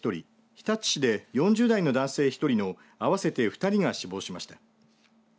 日立市で４０代の男性１人の合わせて２人が死亡しました。